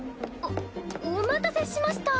おお待たせしました。